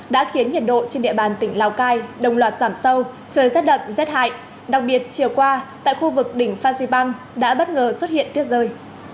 đã khiến nhiệt độ trên địa bàn tỉnh lào cai đồng loạt giảm sâu trời rét đậm rét hại đặc biệt chiều qua tại khu vực đỉnh phan xipang đã bất ngờ xuất hiện tuyết rơi